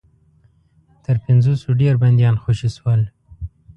تر پنځوسو ډېر بنديان خوشي شول.